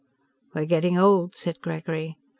"We're getting old," said Gregory.